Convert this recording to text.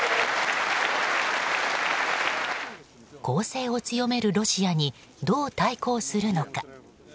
攻勢を強めるロシアにどう対抗するのか。